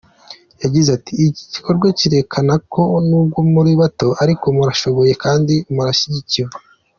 Yagize ati “Iki gikorwa kirerekana ko nubwo muri bato ariko murashoboye kandi murashyigikiwe.